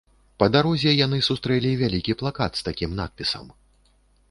Па дарозе яны сустрэлі вялікі плакат з такім надпісам.